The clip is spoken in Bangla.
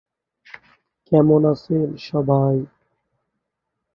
ডিমের রঙ সবজে-আকাশী, তার উপর কালচে-বাদামী ফোঁটা।